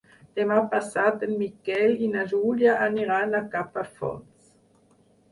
Demà passat en Miquel i na Júlia aniran a Capafonts.